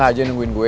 sengaja nungguin gue